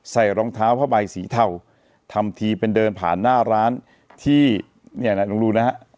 ใส่รองเท้าผ้าใบสีเทาทำทีเป็นเดินผ่านหน้าร้านที่เนี่ยลองดูนะฮะ